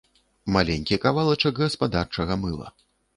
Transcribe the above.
Маленькі кавалачак гаспадарчага мыла.